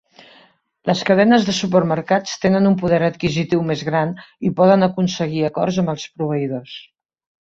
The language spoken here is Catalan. Les cadenes de supermercats tenen un poder adquisitiu més gran i poden aconseguir acords amb els proveïdors.